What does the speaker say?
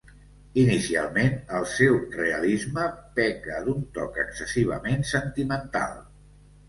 Inicialment el seu realisme peca d'un toc excessivament sentimental.